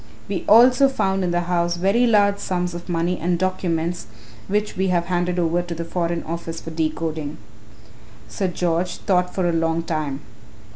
We also found in the house very large sums of money and documents which we have handed over to the Foreign Office for decoding." Sir George thought for a long time.